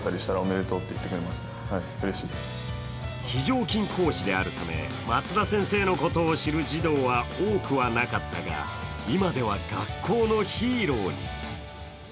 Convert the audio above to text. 非常勤講師であるため松田先生のことを知る児童は多くなかったが、今では学校のヒーローに。